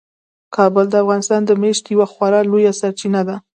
کابل د افغانانو د معیشت یوه خورا لویه سرچینه ده.